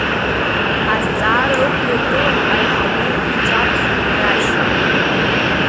Азҵаара ықәиргылон аиҳабы иҿаԥхьа Рашь.